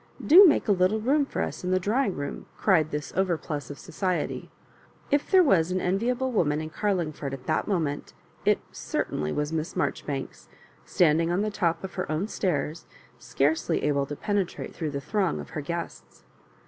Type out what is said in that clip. Do make a little room for us in the drawing room," cried this overplus of society. If there was an envi able woman in Carlingford at that moment, it certainly was Miss Marjoribanks, standing on the top of her own stairs, scarcely able to penetrate through the throng of her guests.